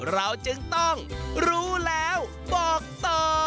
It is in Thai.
เราจึงต้องรู้แล้วบอกต่อ